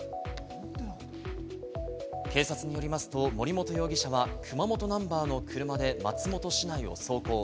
警察によりますと森本容疑者は熊本ナンバーの車で松本市内を走行。